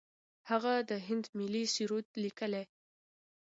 هغه د هند ملي سرود لیکلی.